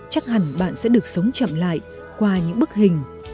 chắc hẳn bạn sẽ được sống chậm lại qua những bức hình